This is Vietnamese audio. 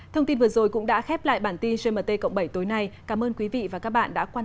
thông tin vừa rồi cũng đã khép lại bản tin gmt cộng bảy tối nay cảm ơn quý vị và các bạn đã quan